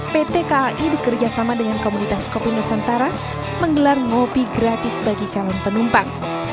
pt kai bekerja sama dengan komunitas kopi nusantara menggelar kopi gratis bagi calon penumpang